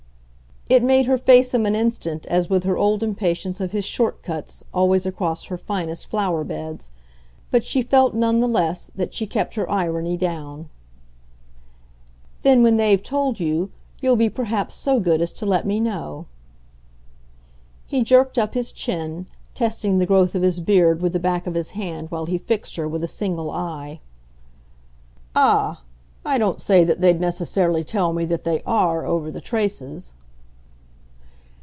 It made her face him an instant as with her old impatience of his short cuts, always across her finest flower beds; but she felt, none the less, that she kept her irony down. "Then when they've told you, you'll be perhaps so good as to let me know." He jerked up his chin, testing the growth of his beard with the back of his hand while he fixed her with a single eye. "Ah, I don't say that they'd necessarily tell me that they ARE over the traces."